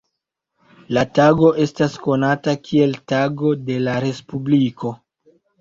La tago estas konata kiel "Tago de la Respubliko".